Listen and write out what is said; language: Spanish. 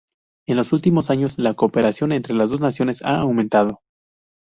En los últimos años, la cooperación entre las dos naciones ha aumentado.